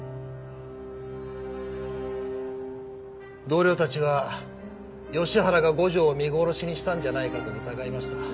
同僚たちは吉原が五条を見殺しにしたんじゃないかと疑いました。